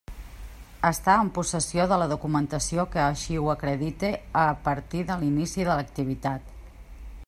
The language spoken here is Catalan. Estar en possessió de la documentació que així ho acredite a partir de l'inici de l'activitat.